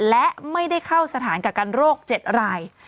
และไม่ได้เข้าสถานกักกันโรค๗ราย